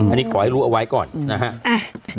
อันนี้ขอให้รู้เอาไว้ก่อนนะครับ